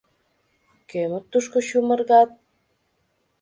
— Кӧмыт тушко чумыргат?